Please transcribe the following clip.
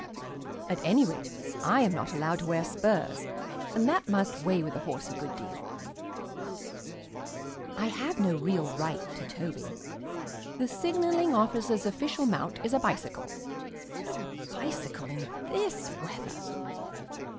At any rate I am not allowed to wear spurs, and that must weigh with a horse a good deal. I have no real right to Toby. The Signalling Officer's official mount is a bicycle, but a bicycle in this weather